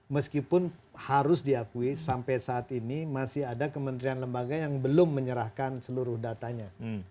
meskipun harus diakui sampai saat ini masih ada kementerian lembaga yang belum menyerahkan seluruh datanya